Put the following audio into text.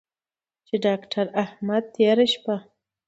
چې داکتر احمد تېره شپه